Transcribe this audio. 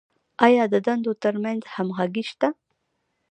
آیا د دندو تر منځ همغږي شته؟